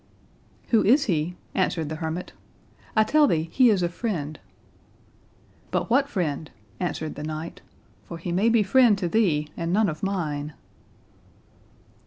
"Who is he?" answered the hermit; "I tell thee he is a friend." "But what friend?" answered the knight; "for he may be friend to thee and none of mine?"